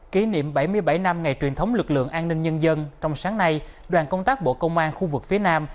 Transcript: kỷ niệm bảy mươi bảy năm ngày truyền thống lực lượng an ninh nhân dân trong sáng nay đoàn công tác bộ công an khu vực phía nam